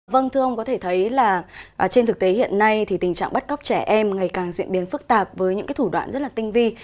vâng thưa ông có thể thấy là trên thực tế hiện nay thì tình trạng bắt cóc trẻ em ngày càng diễn biến phức tạp với những thủ đoạn rất là tinh vi